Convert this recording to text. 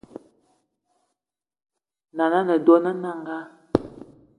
Nan’na a ne dona Nanga